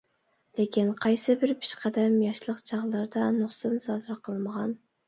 لېكىن قايسىبىر پېشقەدەم ياشلىق چاغلىرىدا نۇقسان سادىر قىلمىغان؟ !